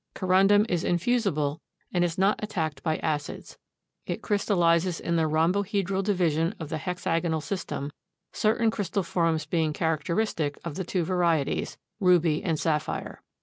Corundum is infusible and is not attacked by acids. It crystallizes in the rhombohedral division of the hexagonal system, certain crystal forms being characteristic of the two varieties, ruby and sapphire.